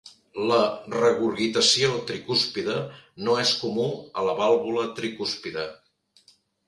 La regurgitació tricúspide no és comú a la vàlvula tricúspide.